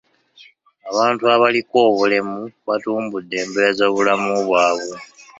Abantu abaliko obulemu batumbudde embeera z'obulamu bwabwe.